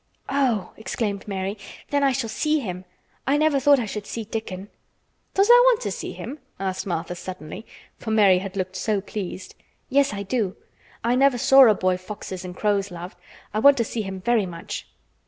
"Oh!" exclaimed Mary, "then I shall see him! I never thought I should see Dickon." "Does tha' want to see him?" asked Martha suddenly, for Mary had looked so pleased. "Yes, I do. I never saw a boy foxes and crows loved. I want to see him very much."